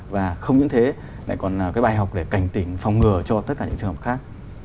và không những thế lại còn là cái bài học để cảnh tỉnh phòng ngừa cho tất cả những trường hợp khác